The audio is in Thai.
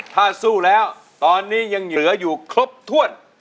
ถ้าสู้แล้วตอนนี้ยังเหลืออยู่ครบถ้วน